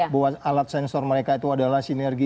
bahwa alat sensor mereka itu adalah sinergi